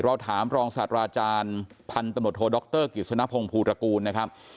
เราถามรองศาสตราจารย์พันธุ์ตำรวจโทดรกิจสนพงศ์ภูตระกูลนะครับ